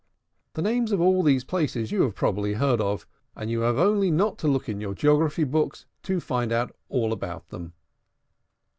The names of all these places you have probably heard of; and you have only not to look in your geography books to find out all about them.